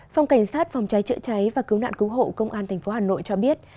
phòng cảnh sát phòng trái trợ cháy và cứu nạn cứu hộ công an tp hà nội cho biết